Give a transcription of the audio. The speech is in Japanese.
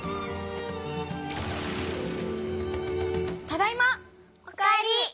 ただいま！お帰り！